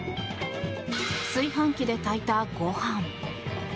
炊飯器で炊いたご飯。